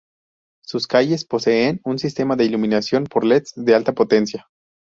Sus calles poseen un sistema de iluminación por leds de alta potencia.